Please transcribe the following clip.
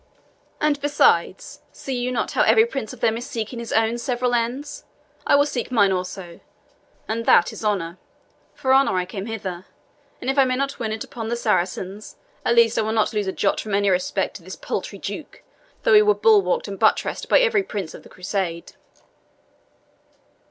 And besides, see you not how every prince of them is seeking his own several ends? I will seek mine also and that is honour. For honour I came hither; and if I may not win it upon the Saracens, at least I will not lose a jot from any respect to this paltry Duke, though he were bulwarked and buttressed by every prince in the Crusade."